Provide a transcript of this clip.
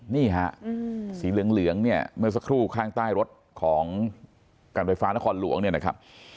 นี่ฮะสีเหลืองเนี่ยเมื่อสักครู่ข้างใต้รถของการไฟฟ้านครหลวงเนี่ยนะครับ